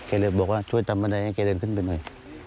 เคยเลยบอกว่าช่วยทำบันไดให้เคยเริ่มขึ้นไปหน่อย